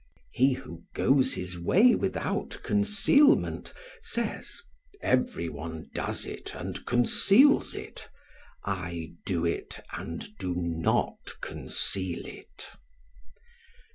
He who goes his way without concealment says: "Every one does it and conceals it; I do it and do not conceal it."